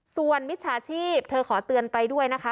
ส่วนมิจฉาชีพเธอขอเตือนไปด้วยนะคะ